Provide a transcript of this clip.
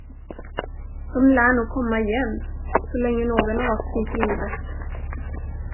De lär nog komma igen, så länge någon av oss finns i livet.